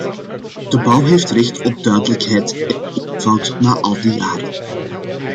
De bouw heeft recht op duidelijkheid én eenvoud na al die jaren.